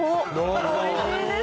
おいしいです。